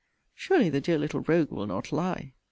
Surely, the dear little rogue will not lie!